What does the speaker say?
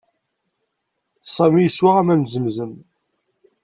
Sami yeswa aman n Zemzem.